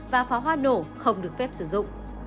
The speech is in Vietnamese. và pháo hoa nổ không được phép sử dụng